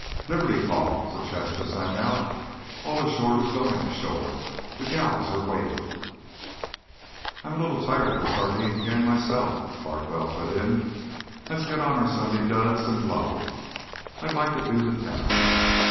"Liberty call," Prochaska sang out. "All ashore who's going ashore. The gals are waiting." "I'm a little tired of this sardine can, myself," Larkwell put in. "Let's get on our Sunday duds and blow. I'd like to do the town."